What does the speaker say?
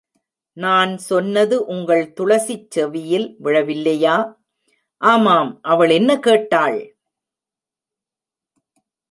நான் சொன்னது உங்கள் துளசிச் செவியில் விழவில்லையா? ஆமாம், அவள் என்ன கேட்டாள்?